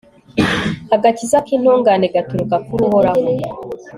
agakiza k'intungane gaturuka kuri uhoraho